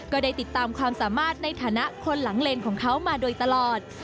ก็ได้ติดตามความสามารถในฐานะคนหลังเลนของเขามาโดยตลอด